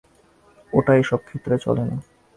ওটা সব ক্ষেত্রে চলে না।